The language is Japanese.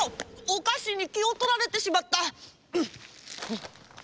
おかしにきをとられてしまった！